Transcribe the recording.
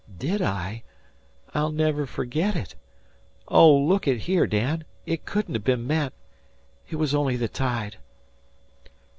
"Did I? I'll never forget it. But look at here, Dan; it couldn't have been meant. It was only the tide."